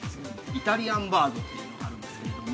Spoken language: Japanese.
イタリアンバーグというのがあるんですけれども。